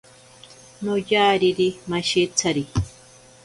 Noyariri mashitsari.